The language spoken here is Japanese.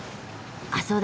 あっそうだ。